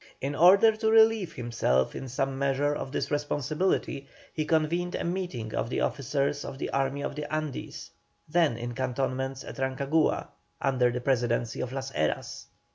In order to relieve himself in some measure of this responsibility, he convened a meeting of the officers of the Army of the Andes, then in cantonments at Rancagua, under the Presidency of Las Heras.